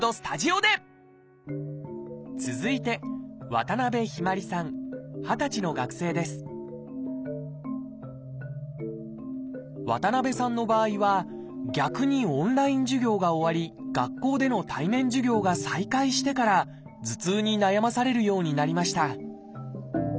続いて渡向日葵さん二十歳の学生です渡さんの場合は逆にオンライン授業が終わり学校での対面授業が再開してから頭痛に悩まされるようになりました